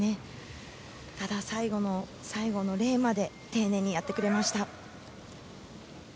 ただ最後の礼まで丁寧にやってくれました。